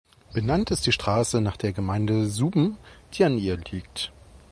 Benannt ist die Straße nach der Gemeinde Suben, die an ihr liegt.